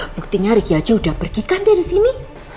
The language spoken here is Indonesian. buktinya riki aja udah pergi kan dari sini